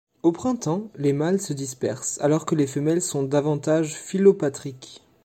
Au printemps, les mâles se dispersent, alors que les femelles sont davantage philopatriques.